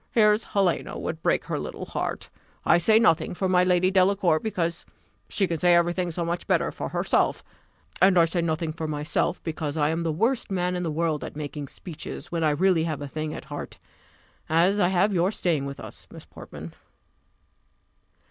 Here's Helena would break her little heart; I say nothing for my Lady Delacour, because she can say every thing so much better for herself; and I say nothing for myself, because I am the worst man in the world at making speeches, when I really have a thing at heart as I have your staying with us, Miss Portman."